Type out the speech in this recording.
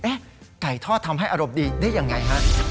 ไก่ทอดทำให้อารมณ์ดีได้ยังไงฮะ